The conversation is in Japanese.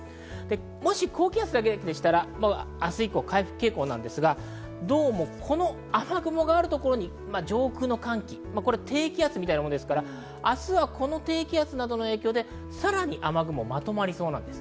もし高気圧だけでしたら、明日以降、回復傾向なんですが、どうも雨雲があるところに上空の寒気、低気圧みたいなものですから明日はこの影響でさらに雨雲がまとまりそうです。